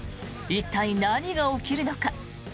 一体何が起きるのか。